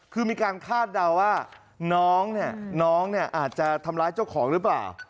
คือมีการคาดเดาว่าน้องเนี่ยน้องเนี่ยอาจจะทำร้ายเจ้าของหรือเปล่า